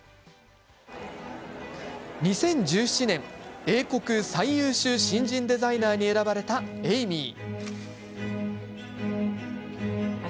２０１７年英国最優秀新人デザイナーに選ばれたエイミー。